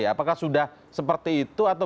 apakah sudah seperti itu atau